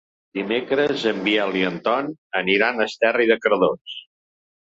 Dimecres en Biel i en Ton aniran a Esterri de Cardós.